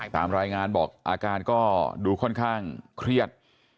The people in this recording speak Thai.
ตามรายงานบอกอาการก็ดูค่อนข้างเครียด